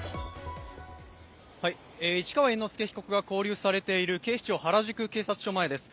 市川猿之助被告が勾留されている警視庁原宿警察署前です。